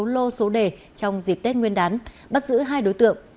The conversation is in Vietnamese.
lô số đề trong dịp tết nguyên đán bắt giữ hai đối tượng